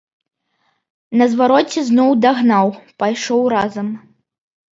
На звароце зноў дагнаў, пайшоў разам.